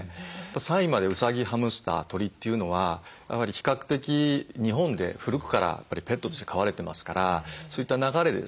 ３位までうさぎハムスター鳥というのは比較的日本で古くからペットとして飼われてますからそういった流れでですね